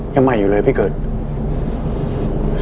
ยังใหม่อยู่เลยพี่เกิด